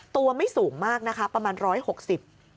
ตัวไม่สูงมากนะคะประมาณ๑๖๐เซน